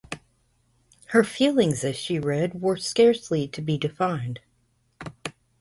Her feelings as she read were scarcely to be defined.